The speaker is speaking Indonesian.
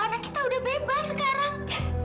karena kita udah bebas sekarang